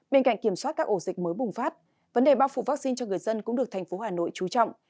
bên cạnh kiểm soát các ổ dịch mới bùng phát vấn đề bao phủ vaccine cho người dân cũng được thành phố hà nội trú trọng